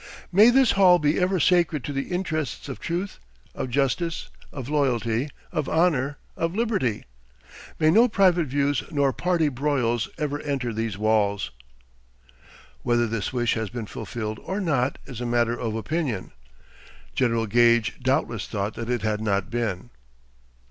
"May this hall be ever sacred to the interests of truth, of justice, of loyalty, of honor, of liberty. May no private views nor party broils ever enter these walls." Whether this wish has been fulfilled or not is a matter of opinion. General Gage doubtless thought that it had not been.